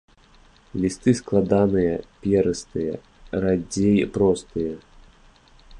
Лісты складаныя, перыстыя, радзей простыя.